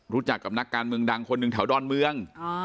รู้จักกับนักการเมืองดังคนหนึ่งแถวดอนเมือง